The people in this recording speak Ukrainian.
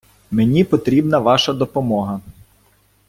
Мені потрібна ваша допомога.